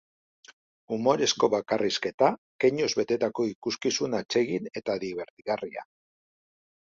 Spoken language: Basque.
Umorezko bakarrizketa, keinuz betetako ikuskizun atsegin eta dibertigarria.